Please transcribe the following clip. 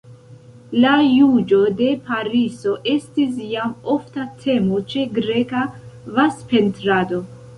La juĝo de Pariso estis jam ofta temo ĉe greka vazpentrado.